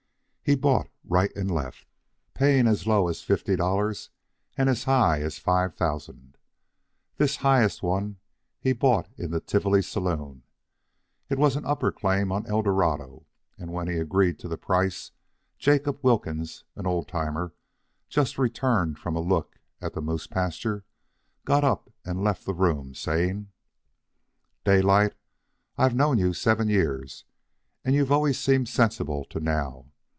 He bought right and left, paying as low as fifty dollars and as high as five thousand. This highest one he bought in the Tivoli Saloon. It was an upper claim on Eldorado, and when he agreed to the price, Jacob Wilkins, an old timer just returned from a look at the moose pasture, got up and left the room, saying: "Daylight, I've known you seven year, and you've always seemed sensible till now.